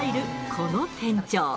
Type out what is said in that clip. この店長。